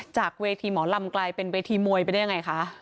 จากเวทีหมอลำกลายเป็นเวทีมวยไปได้ยังไงคะ